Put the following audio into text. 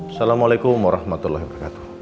assalamualaikum warahmatullahi wabarakatuh